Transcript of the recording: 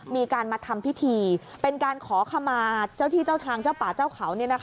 มีการมาทำพิธีเป็นการขอขมาเจ้าที่เจ้าทางเจ้าป่าเจ้าเขา